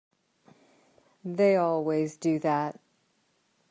They always do that.